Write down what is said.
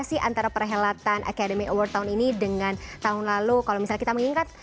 apa sih antara perhelatan academy award tahun ini dengan tahun lalu kalau misalnya kita mengingat